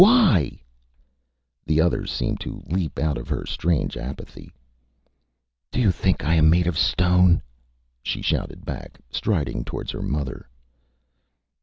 Why?Â The other seemed to leap out of her strange apathy. ÂDo you think I am made of stone?Â she shouted back, striding towards her mother.